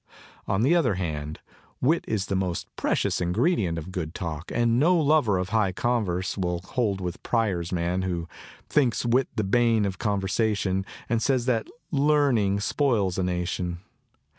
On the other hand, wit is the most precious ingredient of good talk; and no lover of high converse will hold with Prior's man who Thinks wit the bane of conversation, And says that learning spoils a nation.